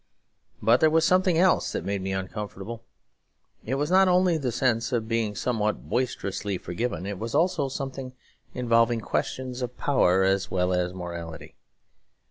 But there was something else that made me uncomfortable; it was not only the sense of being somewhat boisterously forgiven; it was also something involving questions of power as well as morality.